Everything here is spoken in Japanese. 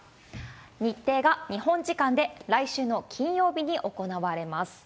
日程が日本時間で来週の金曜日に行われます。